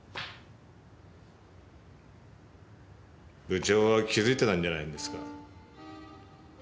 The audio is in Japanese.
部長は気づいてたんじゃないんですか？